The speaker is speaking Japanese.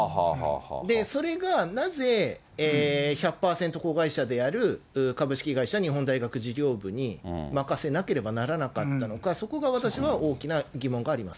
それがなぜ１００％子会社である株式会社日本大学事業部に任せなければならなかったのか、そこが私は大きな疑問があります。